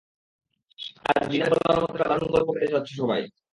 আজ ডিনারে বলার মতো একটা দারুন গল্প পেতে যাচ্ছো সবাই।